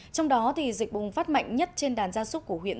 trong đó thì dịch bùng phát mạnh nhất trên đàn ra súc của huyện